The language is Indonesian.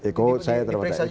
ikut saya terpaksa